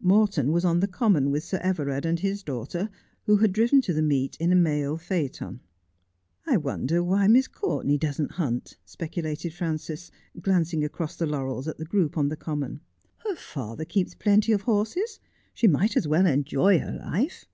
Morton was on the common with Sir Everard and his daughter, who had driven to the meet in a mail phaeton. 'I wonder why Miss Courtenay doesn't hunt,' speculated Frances, glancing across the laurels at the group on the common. ' Her father keeps plenty of horses. She might as well enjoy her life.'